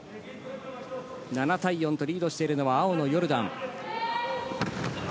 ７対４とリードしているのは青のヨルダン。